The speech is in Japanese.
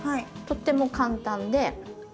とっても簡単で。